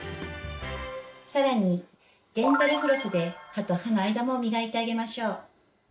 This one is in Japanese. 更にデンタルフロスで歯と歯の間も磨いてあげましょう。